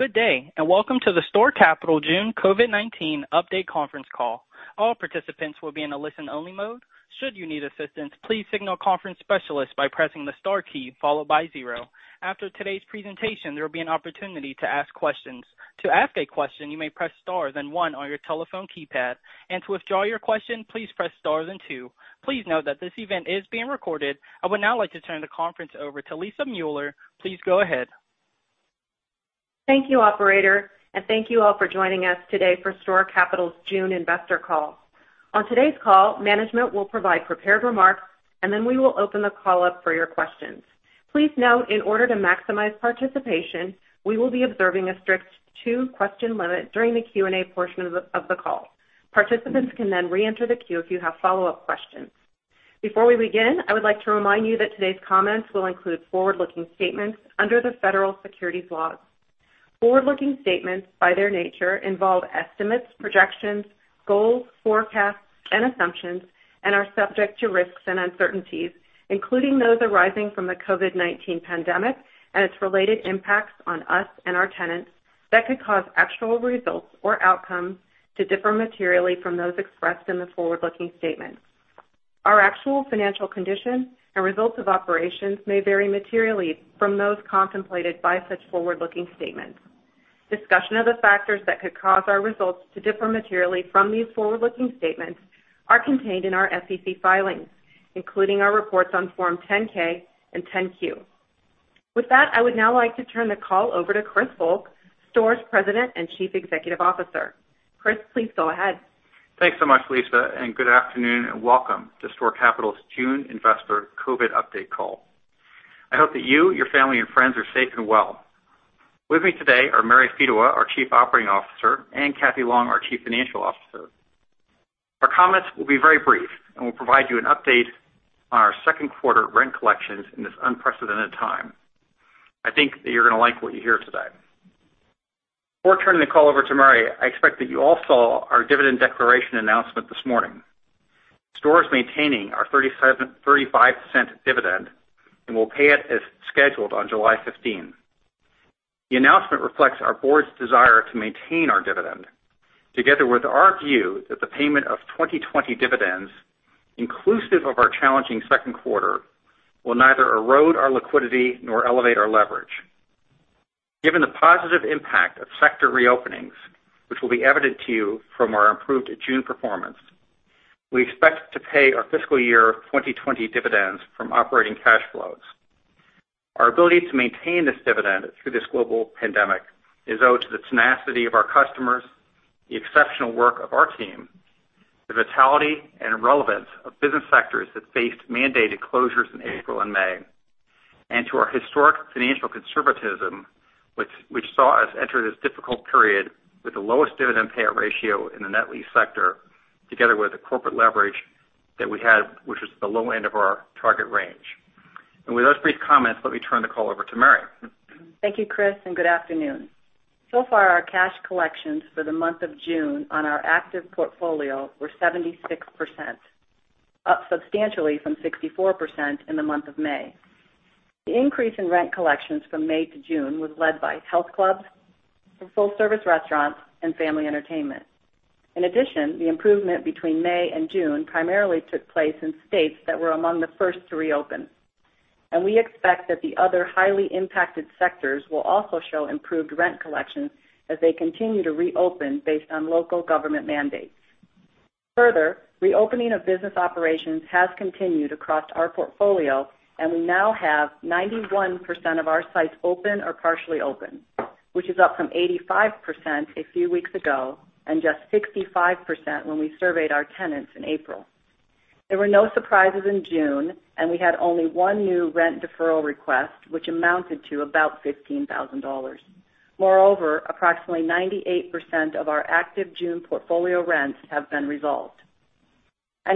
Good day. Welcome to the STORE Capital June COVID-19 update conference call. All participants will be in a listen-only mode. Should you need assistance, please signal a conference specialist by pressing the star key followed by zero. After today's presentation, there will be an opportunity to ask questions. To ask a question, you may press star then one on your telephone keypad, and to withdraw your question, please press star then two. Please note that this event is being recorded. I would now like to turn the conference over to Lisa Mueller. Please go ahead. Thank you, operator, and thank you all for joining us today for STORE Capital's June investor call. On today's call, management will provide prepared remarks, and then we will open the call up for your questions. Please note in order to maximize participation, we will be observing a strict two-question limit during the Q&A portion of the call. Participants can then reenter the queue if you have follow-up questions. Before we begin, I would like to remind you that today's comments will include forward-looking statements under the federal securities laws. Forward-looking statements, by their nature, involve estimates, projections, goals, forecasts, and assumptions and are subject to risks and uncertainties, including those arising from the COVID-19 pandemic and its related impacts on us and our tenants that could cause actual results or outcomes to differ materially from those expressed in the forward-looking statement. Our actual financial condition and results of operations may vary materially from those contemplated by such forward-looking statements. Discussion of the factors that could cause our results to differ materially from these forward-looking statements are contained in our SEC filings, including our reports on Form 10-K and 10-Q. With that, I would now like to turn the call over to Chris Volk, STORE's President and Chief Executive Officer. Chris, please go ahead. Thanks so much, Lisa. Good afternoon, and Welcome to STORE Capital's June investor COVID-19 update call. I hope that you, your family, and friends are safe and well. With me today are Mary Fedewa, our Chief Operating Officer, and Cathy Long, our Chief Financial Officer. Our comments will be very brief. We'll provide you an update on our second quarter rent collections in this unprecedented time. I think that you're going to like what you hear today. Before turning the call over to Mary, I expect that you all saw our dividend declaration announcement this morning. STORE is maintaining our $0.35 dividend. Will pay it as scheduled on July 15. The announcement reflects our board's desire to maintain our dividend, together with our view that the payment of 2020 dividends, inclusive of our challenging second quarter, will neither erode our liquidity nor elevate our leverage. Given the positive impact of sector reopenings, which will be evident to you from our improved June performance, we expect to pay our fiscal year 2020 dividends from operating cash flows. Our ability to maintain this dividend through this global pandemic is owed to the tenacity of our customers, the exceptional work of our team, the vitality and relevance of business sectors that faced mandated closures in April and May, and to our historic financial conservatism, which saw us enter this difficult period with the lowest dividend payout ratio in the net lease sector, together with the corporate leverage that we had, which was the low end of our target range. With those brief comments, let me turn the call over to Mary. Thank you, Chris, and good afternoon. So far, our cash collections for the month of June on our active portfolio were 76%, up substantially from 64% in the month of May. The increase in rent collections from May to June was led by health clubs, full-service restaurants, and family entertainment. In addition, the improvement between May and June primarily took place in states that were among the first to reopen. We expect that the other highly impacted sectors will also show improved rent collections as they continue to reopen based on local government mandates. Further, reopening of business operations has continued across our portfolio, and we now have 91% of our sites open or partially open, which is up from 85% a few weeks ago and just 65% when we surveyed our tenants in April. There were no surprises in June, and we had only one new rent deferral request, which amounted to about $15,000. Moreover, approximately 98% of our active June portfolio rents have been resolved.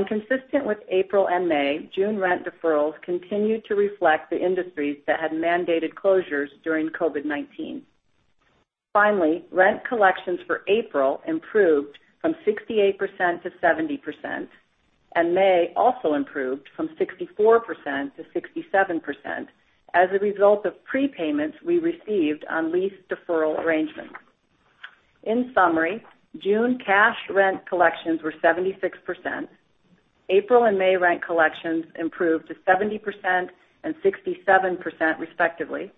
Consistent with April and May, June rent deferrals continued to reflect the industries that had mandated closures during COVID-19. Finally, rent collections for April improved from 68% to 70%, and May also improved from 64% to 67% as a result of prepayments we received on lease deferral arrangements. In summary, June cash rent collections were 76%. April and May rent collections improved to 70% and 67%, respectively.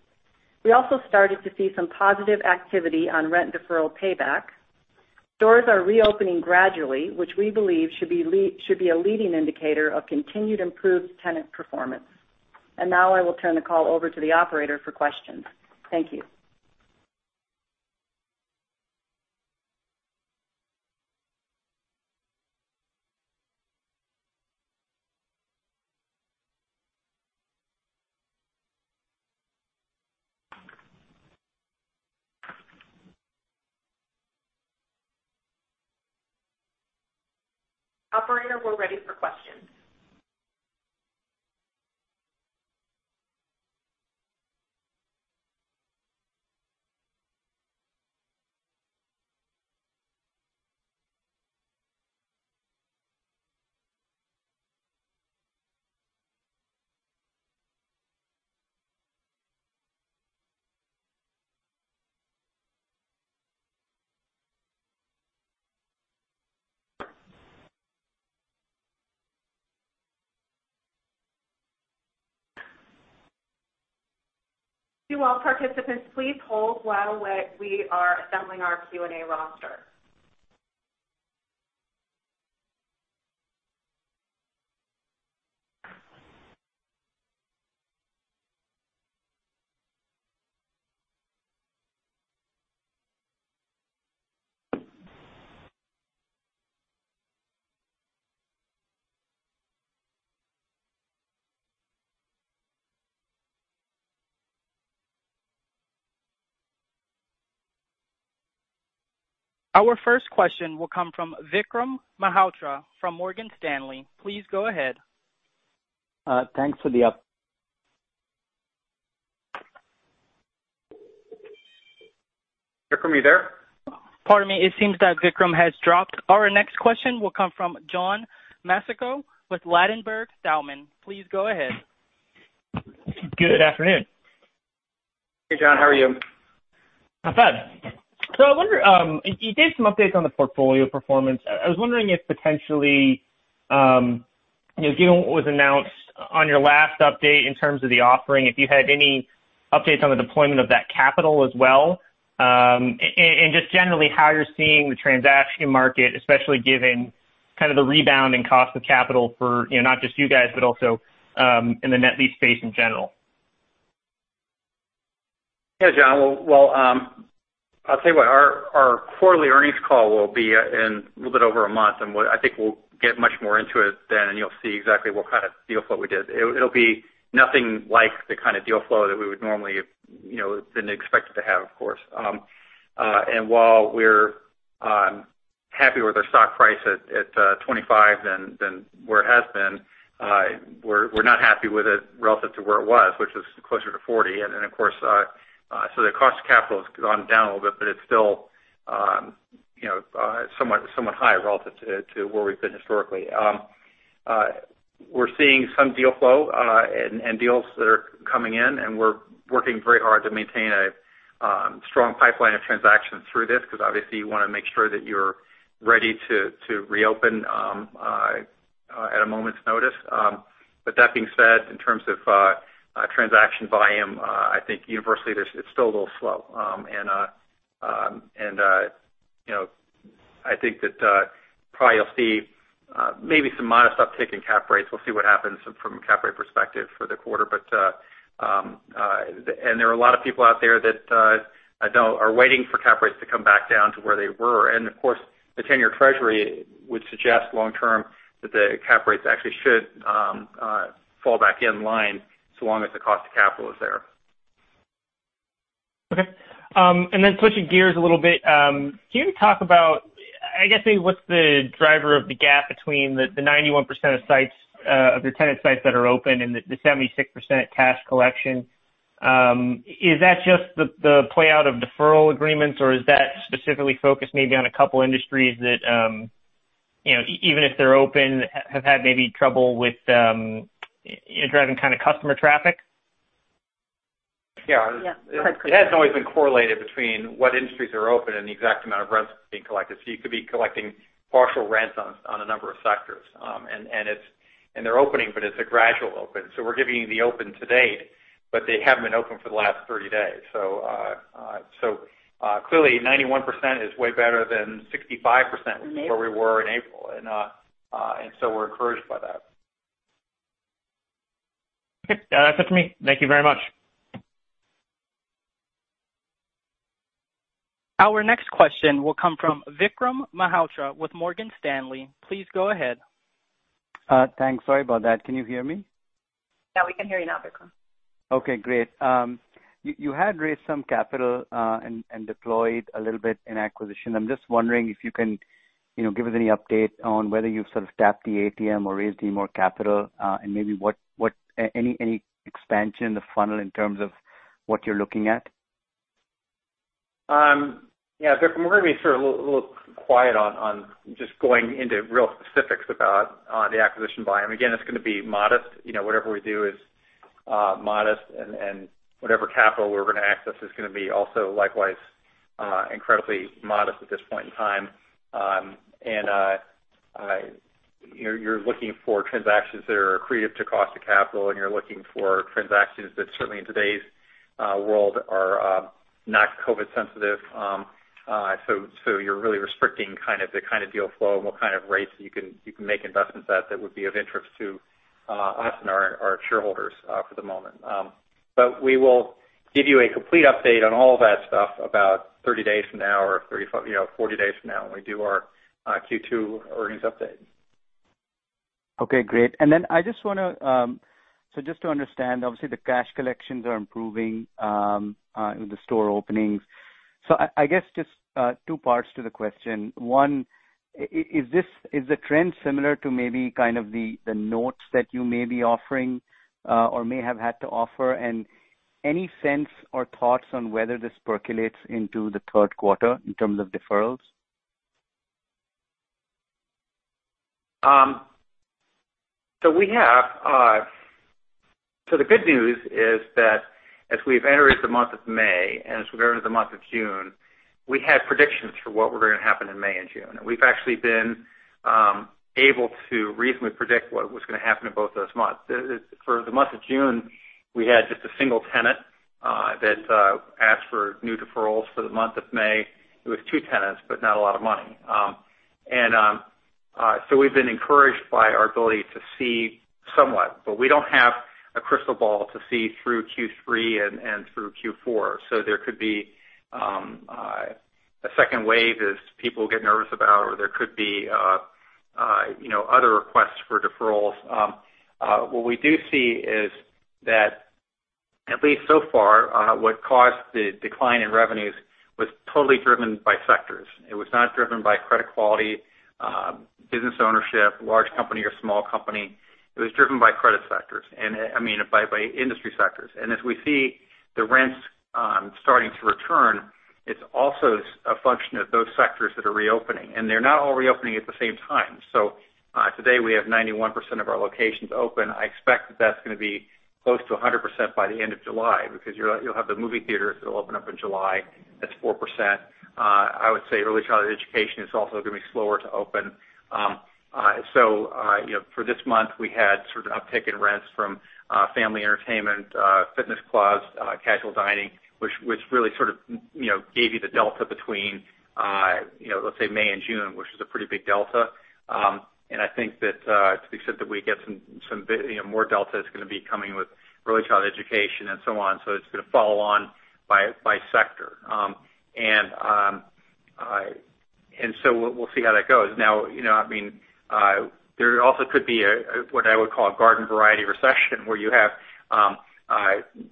We also started to see some positive activity on rent deferral payback. Stores are reopening gradually, which we believe should be a leading indicator of continued improved tenant performance. Now I will turn the call over to the operator for questions. Thank you. Operator, we're ready for questions. Could all participants please hold while we are assembling our Q&A roster? Our first question will come from Vikram Malhotra from Morgan Stanley. Please go ahead. Thanks for the up Vikram, are you there? Pardon me. It seems that Vikram has dropped. Our next question will come from John Massocca with Ladenburg Thalmann. Please go ahead. Good afternoon. Hey, John. How are you? Not bad. I wonder, you did some updates on the portfolio performance. I was wondering if potentially, given what was announced on your last update in terms of the offering, if you had any updates on the deployment of that capital as well. Just generally how you're seeing the transaction market, especially given the rebounding cost of capital for, not just you guys, but also in the net lease space in general. John. I'll tell you what, our quarterly earnings call will be in a little bit over a month. I think we'll get much more into it then. You'll see exactly what kind of deal flow we did. It'll be nothing like the kind of deal flow that we would normally have been expected to have, of course. While we're happy with our stock price at 25 than where it has been, we're not happy with it relative to where it was, which was closer to 40. Of course, the cost of capital has gone down a little bit. It's still somewhat higher relative to where we've been historically. We're seeing some deal flow, and deals that are coming in, and we're working very hard to maintain a strong pipeline of transactions through this, because obviously you want to make sure that you're ready to reopen at a moment's notice. That being said, in terms of transaction volume, I think universally there's it's still a little slow. I think that probably you'll see maybe some modest uptick in cap rates. We'll see what happens from a cap rate perspective for the quarter. There are a lot of people out there that I know are waiting for cap rates to come back down to where they were. Of course, the 10-year treasury would suggest long-term that the cap rates actually should fall back in line so long as the cost of capital is there. Okay. Switching gears a little bit, can you talk about, I guess maybe what's the driver of the gap between the 91% of sites, of your tenant sites that are open and the 76% cash collection? Is that just the playout of deferral agreements, or is that specifically focused maybe on a couple industries that, even if they're open, have had maybe trouble with driving kind of customer traffic? Yeah. Yeah. Go ahead. It hasn't always been correlated between what industries are open and the exact amount of rents being collected. You could be collecting partial rents on a number of sectors. They're opening, but it's a gradual open. We're giving you the open to date, but they haven't been open for the last 30 days. Clearly, 91% is way better than 65%. In April where we were in April. We're encouraged by that. Okay. That's it for me. Thank you very much. Our next question will come from Vikram Malhotra with Morgan Stanley. Please go ahead. Thanks. Sorry about that. Can you hear me? Yeah, we can hear you now, Vikram. Okay, great. You had raised some capital, and deployed a little bit in acquisition. I'm just wondering if you can give us any update on whether you've sort of tapped the ATM or raised any more capital, and maybe any expansion in the funnel in terms of what you're looking at? Yeah, Vikram, we're going to be sort of a little quiet on just going into real specifics about the acquisition volume. Again, it's going to be modest. Whatever we do is modest, and whatever capital we're going to access is going to be also likewise incredibly modest at this point in time. You're looking for transactions that are accretive to cost of capital, and you're looking for transactions that certainly in today's world are not COVID sensitive. You're really restricting the kind of deal flow and what kind of rates you can make investments at that would be of interest to us and our shareholders for the moment. We will give you a complete update on all that stuff about 30 days from now or 40 days from now when we do our Q2 earnings update. Okay, great. Just to understand, obviously, the cash collections are improving, with the STORE openings. I guess just two parts to the question. One, is the trend similar to maybe kind of the notes that you may be offering, or may have had to offer? Any sense or thoughts on whether this percolates into the third quarter in terms of deferrals? The good news is that as we've entered the month of May, and as we've entered the month of June, we had predictions for what were going to happen in May and June. We've actually been able to reasonably predict what was going to happen in both those months. For the month of June, we had just a single tenant that asked for new deferrals for the month of May. It was two tenants, but not a lot of money. We've been encouraged by our ability to see somewhat, but we don't have a crystal ball to see through Q3 and through Q4. There could be a second wave as people get nervous about, or there could be other requests for deferrals. What we do see is that, at least so far, what caused the decline in revenues was totally driven by sectors. It was not driven by credit quality, business ownership, large company or small company. It was driven by credit sectors, and I mean by industry sectors. As we see the rents starting to return, it's also a function of those sectors that are reopening, and they're not all reopening at the same time. Today we have 91% of our locations open. I expect that's going to be close to 100% by the end of July, because you'll have the movie theaters that'll open up in July. That's 4%. I would say early childhood education is also going to be slower to open. For this month, we had sort of an uptick in rents from family entertainment, fitness clubs, casual dining, which really sort of gave you the delta between let's say May and June, which is a pretty big delta. I think that to the extent that we get more delta is going to be coming with early childhood education and so on. It's going to follow on by sector. We'll see how that goes. Now, there also could be a, what I would call, a garden variety recession, where you have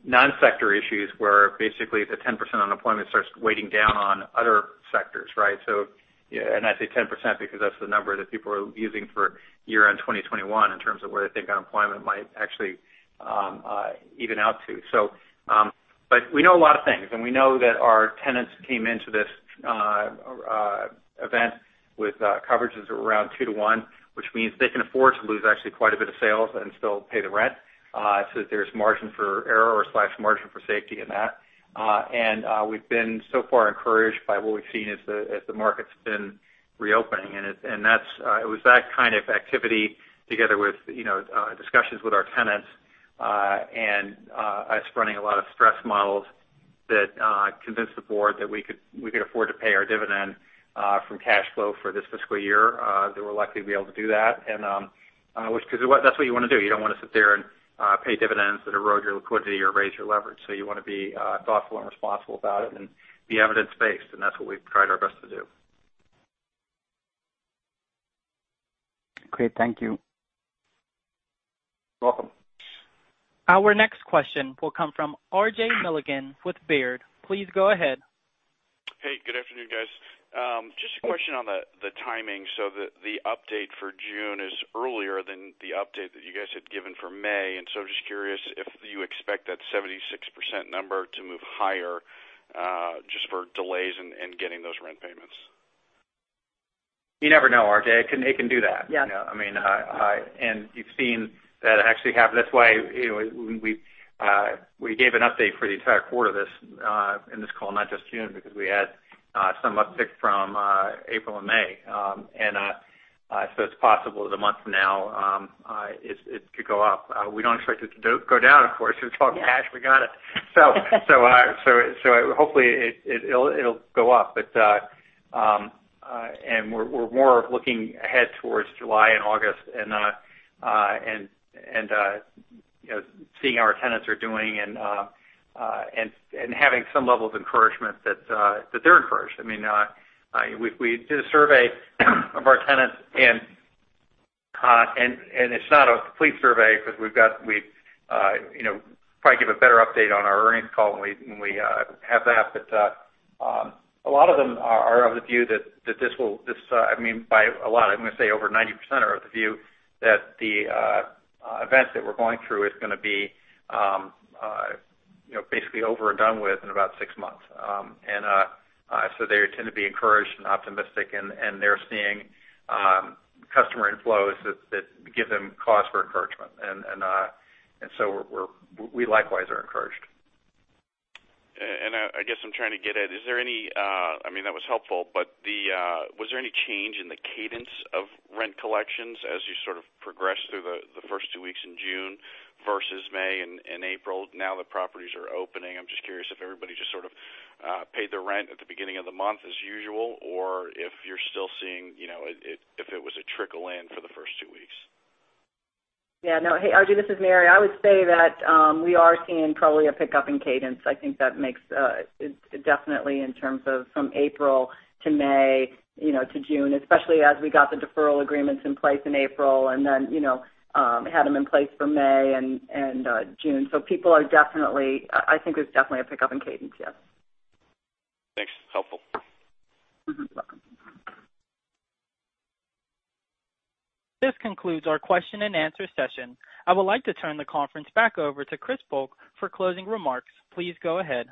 non-sector issues, where basically the 10% unemployment starts weighting down on other sectors, right? I say 10% because that's the number that people are using for year-end 2021 in terms of where they think unemployment might actually even out to. We know a lot of things, and we know that our tenants came into this event with coverages around two to one, which means they can afford to lose actually quite a bit of sales and still pay the rent. There's margin for error or slash margin for safety in that. We've been so far encouraged by what we've seen as the market's been reopening, and it was that kind of activity together with discussions with our tenants, and us running a lot of stress models that convinced the board that we could afford to pay our dividend from cash flow for this fiscal year, that we're likely to be able to do that. Because that's what you want to do. You don't want to sit there and pay dividends that erode your liquidity or raise your leverage. You want to be thoughtful and responsible about it and be evidence-based, and that's what we've tried our best to do. Great. Thank you. You're welcome. Our next question will come from RJ Milligan with Baird. Please go ahead. Hey, good afternoon, guys. Just a question on the timing. The update for June is earlier than the update that you guys had given for May, and so just curious if you expect that 76% number to move higher, just for delays in getting those rent payments. You never know, RJ. It can do that. Yeah. You've seen that actually happen. That's why we gave an update for the entire quarter in this call, not just June, because we had some uptick from April and May. It's possible the month now, it could go up. We don't expect it to go down, of course. We're talking cash. We got it. Hopefully it'll go up. We're more looking ahead towards July and August and seeing how our tenants are doing and having some level of encouragement that they're encouraged. We did a survey of our tenants, and it's not a complete survey because we'd probably give a better update on our earnings call when we have that. A lot of them are of the view that by a lot, I'm going to say over 90% are of the view that the events that we're going through is going to be basically over and done with in about six months. They tend to be encouraged and optimistic, and they're seeing customer inflows that give them cause for encouragement. We likewise are encouraged. I guess I'm trying to get at, that was helpful, but was there any change in the cadence of rent collections as you sort of progressed through the first two weeks in June versus May and April now that properties are opening? I'm just curious if everybody just sort of paid their rent at the beginning of the month as usual, or if you're still seeing if it was a trickle in for the first two weeks. Yeah. No. Hey, RJ, this is Mary. I would say that we are seeing probably a pickup in cadence. I think that definitely in terms of from April to May to June, especially as we got the deferral agreements in place in April and then had them in place for May and June. I think there's definitely a pickup in cadence. Yes. Thanks. Helpful. Welcome. This concludes our question and answer session. I would like to turn the conference back over to Chris Volk for closing remarks. Please go ahead.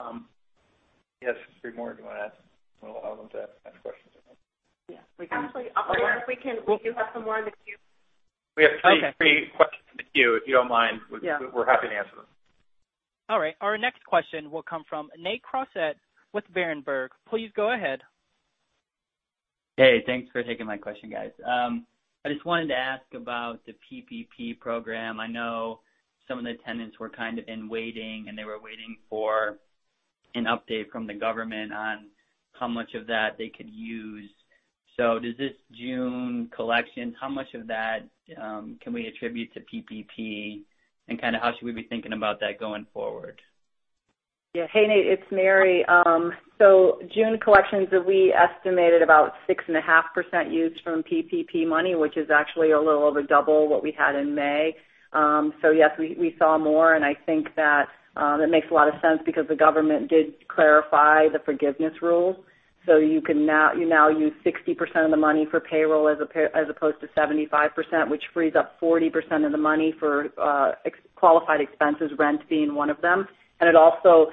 You have three more. Do you want to we'll allow them to ask questions? Yeah, we can. Actually, we do have some more in the queue. We have three questions in the queue. Yeah. We're happy to answer them. All right. Our next question will come from Nate Crossett with Berenberg. Please go ahead. Hey, thanks for taking my question, guys. I just wanted to ask about the PPP program. I know some of the tenants were in waiting, and they were waiting for an update from the government on how much of that they could use. Does this June collections, how much of that can we attribute to PPP, and how should we be thinking about that going forward? Yeah. Hey, Nate, it's Mary. June collections, we estimated about 6.5% used from PPP money, which is actually a little over double what we had in May. Yes, we saw more, and I think that it makes a lot of sense because the government did clarify the forgiveness rules. You now use 60% of the money for payroll as opposed to 75%, which frees up 40% of the money for qualified expenses, rent being one of them. It also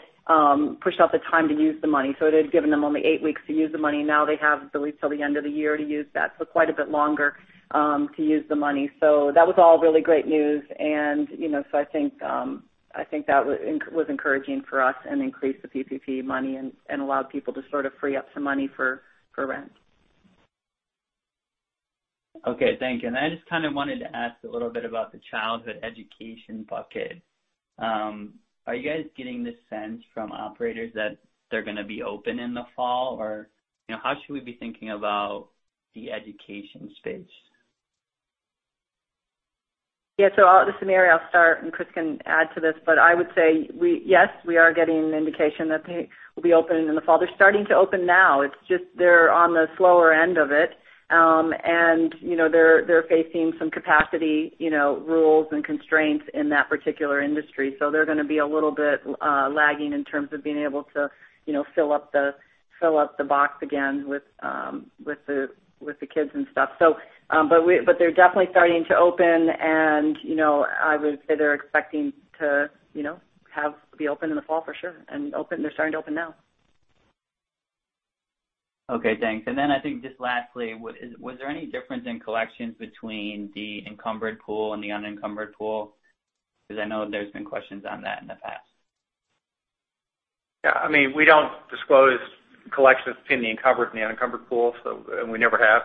pushed out the time to use the money. It had given them only eight weeks to use the money. Now they have till the end of the year to use that. Quite a bit longer to use the money. That was all really great news, and so I think that was encouraging for us and increased the PPP money and allowed people to free up some money for rent. Okay, thank you. I just wanted to ask a little bit about the childhood education bucket. Are you guys getting the sense from operators that they're going to be open in the fall? How should we be thinking about the education space? Yeah. This is Mary, I'll start, and Chris can add to this, but I would say yes, we are getting an indication that they will be opening in the fall. They're starting to open now. It's just they're on the slower end of it. They're facing some capacity rules and constraints in that particular industry. They're going to be a little bit lagging in terms of being able to fill up the box again with the kids and stuff. They're definitely starting to open, and I would say they're expecting to be open in the fall for sure and they're starting to open now. Okay, thanks. I think just lastly, was there any difference in collections between the encumbered pool and the unencumbered pool? I know there's been questions on that in the past. Yeah. We don't disclose collections between the encumbered and the unencumbered pool, and we never have.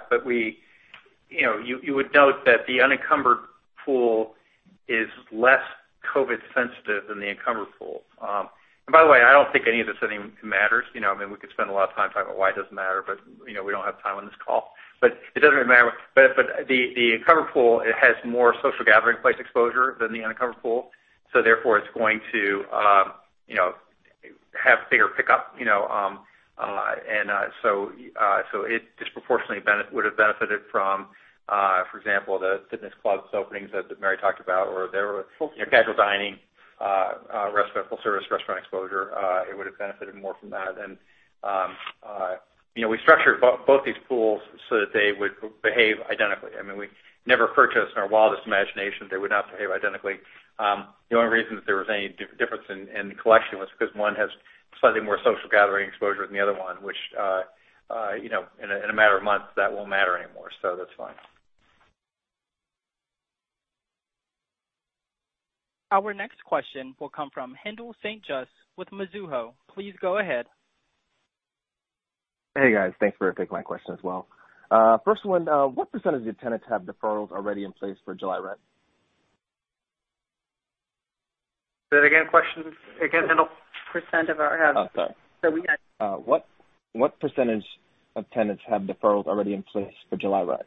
You would note that the unencumbered pool is less COVID sensitive than the encumbered pool. By the way, I don't think any of this even matters. We could spend a lot of time talking about why it doesn't matter, but we don't have time on this call. It doesn't even matter. The encumbered pool has more social gathering place exposure than the unencumbered pool, so therefore it's going to have bigger pickup. It disproportionately would have benefited from for example, the fitness clubs openings that Mary talked about, or casual dining, full-service restaurant exposure. It would have benefited more from that. We structured both these pools so that they would behave identically. We never purchased in our wildest imagination they would not behave identically. The only reason that there was any difference in the collection was because one has slightly more social gathering exposure than the other one, which in a matter of months, that won't matter anymore. That's fine. Our next question will come from Haendel St. Juste with Mizuho. Please go ahead. Hey, guys. Thanks for taking my question as well. First one, what percentage of your tenants have deferrals already in place for July rent? Say that again, question again, Haendel? Percent of our Oh, sorry. we had What percentage of tenants have deferrals already in place for July rent?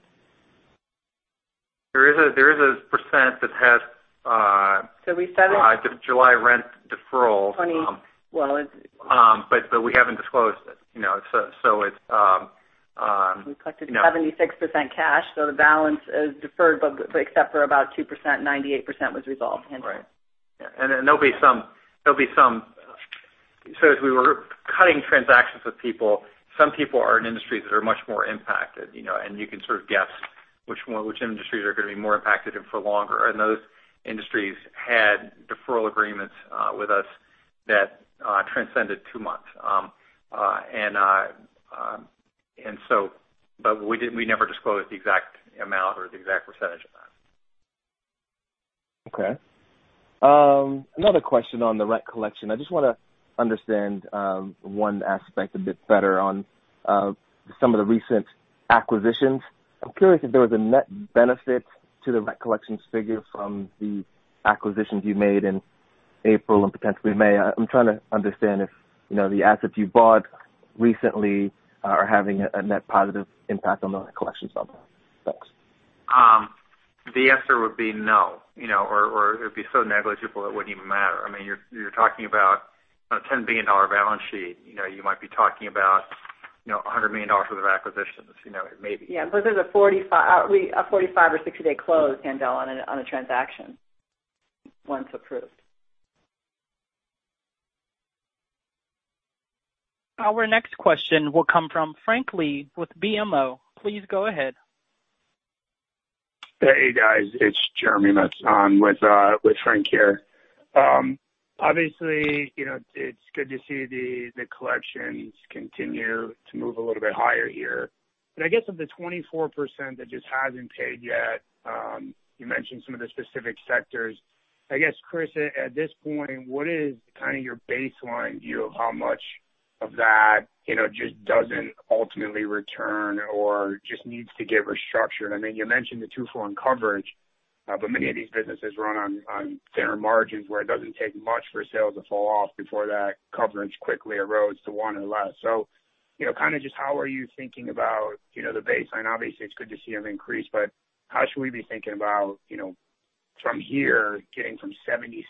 There is a percent. So we said it July rent deferral. 20. Well, it's We haven't disclosed it. We collected 76% cash, the balance is deferred except for about 2%. 98% was resolved, Haendel. Right. Yeah. There'll be some. As we were cutting transactions with people, some people are in industries that are much more impacted. You can sort of guess which industries are going to be more impacted and for longer. Those industries had deferral agreements with us that transcended two months. We never disclosed the exact amount or the exact percentage of that. Okay. Another question on the rent collection. I just want to understand one aspect a bit better on some of the recent acquisitions. I'm curious if there was a net benefit to the rent collections figure from the acquisitions you made in April and potentially May. I'm trying to understand if the assets you bought recently are having a net positive impact on the rent collections so far. Thanks. The answer would be no. It would be so negligible it wouldn't even matter. You're talking about a $10 billion balance sheet. You might be talking about $100 million worth of acquisitions, maybe. Yeah. There's a 45 or 60-day close, Haendel, on a transaction once approved. Our next question will come from Frank Lee with BMO. Please go ahead. Hey guys, it's Jeremy Metz on with Frank here. Obviously, it's good to see the collections continue to move a little bit higher here. I guess of the 24% that just hasn't paid yet, you mentioned some of the specific sectors. I guess, Chris, at this point, what is kind of your baseline view of how much of that just doesn't ultimately return or just needs to get restructured? I mean, you mentioned the two-to-one coverage. Many of these businesses run on thinner margins where it doesn't take much for sales to fall off before that coverage quickly erodes to one and less. Kind of just how are you thinking about the baseline? Obviously, it's good to see them increase, but how should we be thinking about from here, getting from 76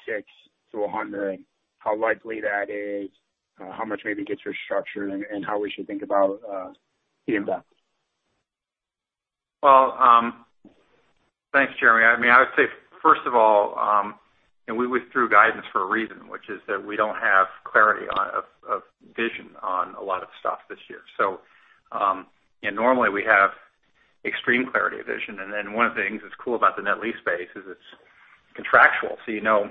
to 100? How likely that is, how much maybe gets restructured, and how we should think about the impact? Well, thanks, Jeremy. I would say, first of all, we withdrew guidance for a reason, which is that we don't have clarity of vision on a lot of stuff this year. Normally we have extreme clarity of vision, and then one of the things that's cool about the net lease space is it's contractual, so you know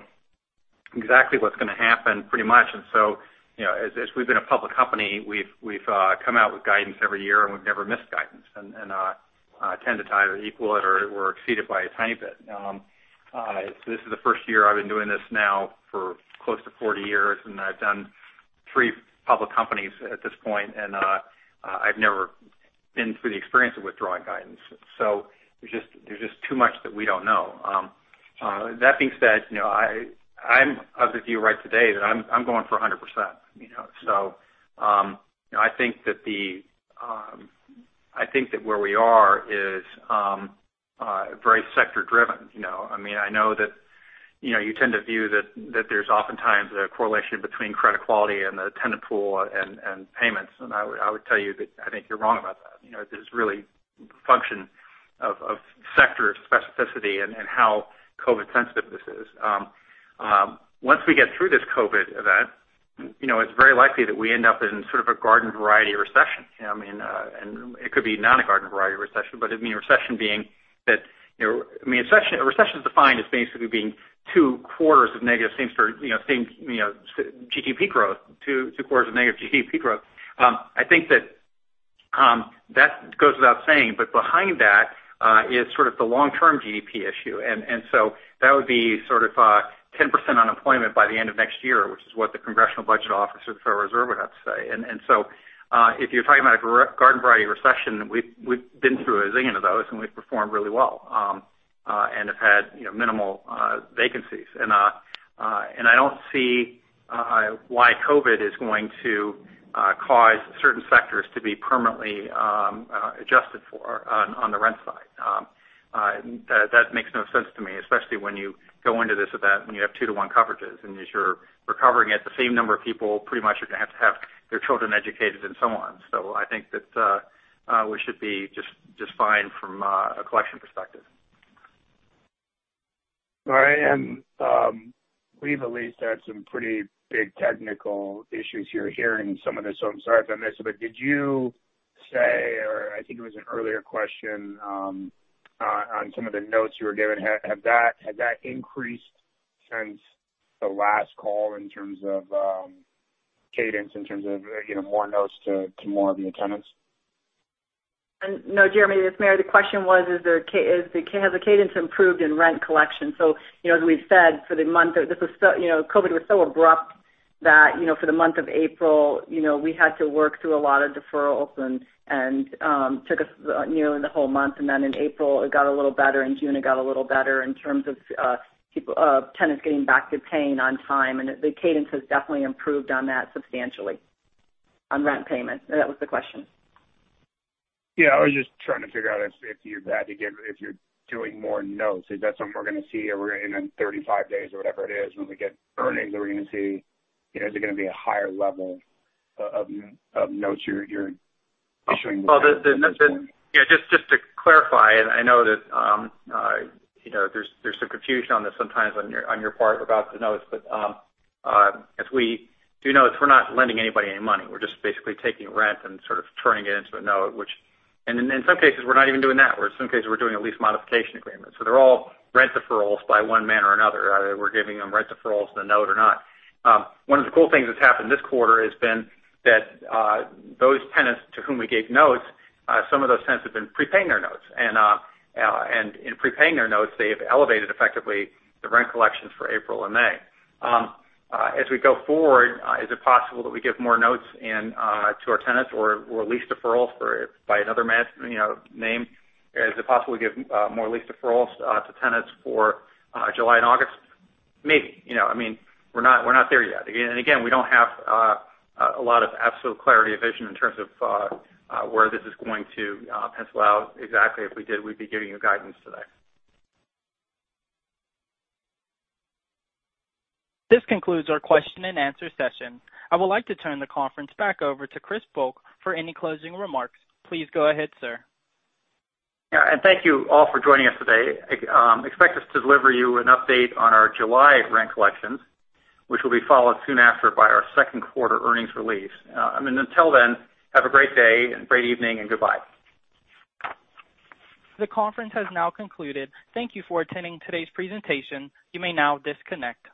exactly what's going to happen pretty much. As we've been a public company, we've come out with guidance every year, and we've never missed guidance, and tend to either equal it or exceed it by a tiny bit. This is the first year I've been doing this now for close to 40 years, and I've done three public companies at this point, and I've never been through the experience of withdrawing guidance. There's just too much that we don't know. That being said, I'm of the view right today that I'm going for 100%. I think that where we are is very sector-driven. I know that you tend to view that there's oftentimes a correlation between credit quality and the tenant pool and payments, and I would tell you that I think you're wrong about that. There's really a function of sector specificity and how COVID-sensitive this is. Once we get through this COVID event, it's very likely that we end up in sort of a garden variety recession. It could be not a garden variety recession, but a recession is defined as basically being two quarters of negative same-store GDP growth, two quarters of negative GDP growth. I think that goes without saying, behind that is sort of the long-term GDP issue. That would be sort of 10% unemployment by the end of next year, which is what the Congressional Budget Office or the Federal Reserve would have to say. If you're talking about a garden variety recession, we've been through a zillion of those, and we've performed really well and have had minimal vacancies. I don't see why COVID is going to cause certain sectors to be permanently adjusted for on the rent side. That makes no sense to me, especially when you go into this event when you have 2:1 coverages, and as you're recovering it, the same number of people pretty much are going to have to have their children educated and so on. I think that we should be just fine from a collection perspective. All right. We've at least had some pretty big technical issues here hearing some of this, so I'm sorry if I missed. Did you say, or I think it was an earlier question on some of the notes you were given? Had that increased since the last call in terms of cadence, in terms of more notes to more of your tenants? No, Jeremy, it's Mary. The question was, has the cadence improved in rent collection? As we've said, COVID was so abrupt that for the month of April, we had to work through a lot of deferrals and took us nearly the whole month. In April, it got a little better. In June, it got a little better in terms of tenants getting back to paying on time, and the cadence has definitely improved on that substantially on rent payment. That was the question. Yeah, I was just trying to figure out if you're doing more notes. Is that something we're going to see in 35 days or whatever it is when we get earnings? Are we going to see a higher level of notes you're issuing? Just to clarify, I know that there's some confusion on this sometimes on your part about the notes. As we do notes, we're not lending anybody any money. We're just basically taking rent and sort of turning it into a note. In some cases we're not even doing that. In some cases, we're doing a lease modification agreement. They're all rent deferrals by one manner or another. Either we're giving them rent deferrals in a note or not. One of the cool things that's happened this quarter has been that those tenants to whom we gave notes, some of those tenants have been prepaying their notes. In prepaying their notes, they have elevated effectively the rent collections for April and May. As we go forward, is it possible that we give more notes to our tenants or lease deferrals by another name? Is it possible we give more lease deferrals to tenants for July and August? Maybe. We're not there yet. Again, we don't have a lot of absolute clarity of vision in terms of where this is going to pencil out exactly. If we did, we'd be giving you guidance today. This concludes our question and answer session. I would like to turn the conference back over to Chris Volk for any closing remarks. Please go ahead, sir. Yeah, thank you all for joining us today. Expect us to deliver you an update on our July rent collections, which will be followed soon after by our second quarter earnings release. Until then, have a great day and great evening, and goodbye. The conference has now concluded. Thank you for attending today's presentation. You may now disconnect.